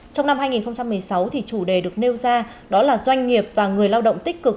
trong năm hai nghìn một mươi sáu chủ đề được nêu ra đó là doanh nghiệp và người lao động tích cực